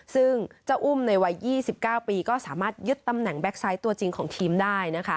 ซึ่งเจ้าอุ้มในวัย๒๙ปีก็สามารถยึดตำแหน่งแก๊กไซต์ตัวจริงของทีมได้นะคะ